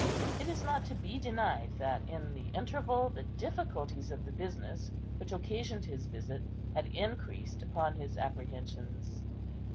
It is not to be denied that, in the interval, the difficulties of the business which occasioned his visit had increased upon his apprehensions.